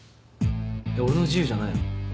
えっ俺の自由じゃないの？